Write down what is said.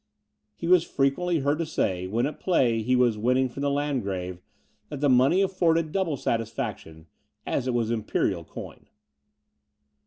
He was frequently heard to say, when at play he was winning from the Landgrave, "that the money afforded double satisfaction, as it was Imperial coin."